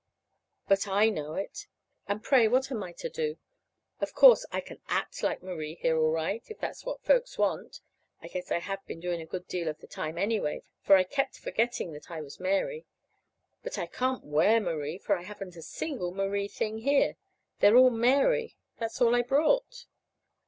But I know it. And, pray, what am I to do? Of course, I can act like Marie here all right, if that is what folks want. (I guess I have been doing it a good deal of the time, anyway, for I kept forgetting that I was Mary.) But I can't wear Marie, for I haven't a single Marie thing here. They're all Mary. That's all I brought.